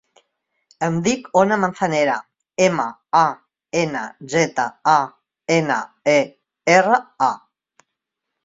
Em dic Ona Manzanera: ema, a, ena, zeta, a, ena, e, erra, a.